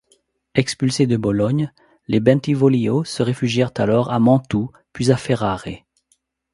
Expulsés de Bologne, les Bentivoglio se réfugièrent alors à Mantoue puis à Ferrare.